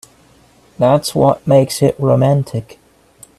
That's what makes it romantic.